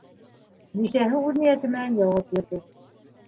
Бисәһе үҙ ниәте менән яуап бирҙе: